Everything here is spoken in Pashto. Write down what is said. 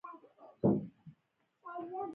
تاسې فاشیستانو ته بیخي د تېښتې ځای نشته